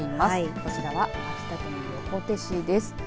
こちらは秋田県の横手市です。